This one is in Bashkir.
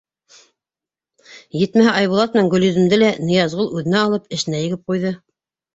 Етмәһә, Айбулат менән Гөлйөҙөмдө лә Ныязғол үҙенә алып, эшенә егеп ҡуйҙы.